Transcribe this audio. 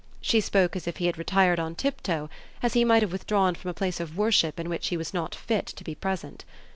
She spoke as if he had retired on tiptoe, as he might have withdrawn from a place of worship in which he was not fit to be present.